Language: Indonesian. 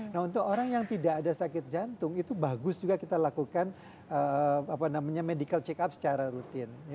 nah untuk orang yang tidak ada sakit jantung itu bagus juga kita lakukan medical check up secara rutin